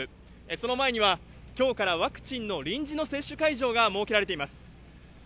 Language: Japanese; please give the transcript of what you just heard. その前には、きょうからワクチンの臨時の接種会場が設けられています。